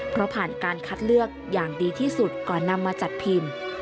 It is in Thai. เพราะผ่านการคัดเลือกอย่างดีที่สุดก่อนนำมาจัดพิมพ์